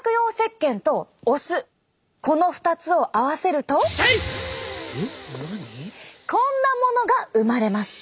この２つを合わせるとこんなものが生まれます。